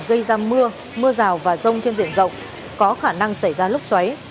gây ra mưa mưa rào và rông trên diện rộng có khả năng xảy ra lốc xoáy